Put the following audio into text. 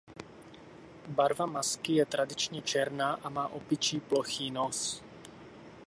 Barva masky je tradičně černá a má opičí plochý nos.